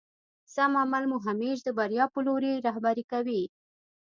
سم عمل مو همېش بريا په لوري رهبري کوي.